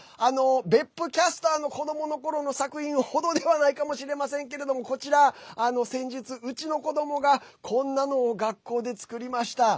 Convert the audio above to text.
別府キャスターの子どものころの作品程ではないかもしれませんけれどもこちら、先日うちの子どもがこんなのを学校で作りました。